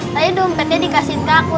tadi dompetnya dikasih ke aku